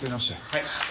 はい。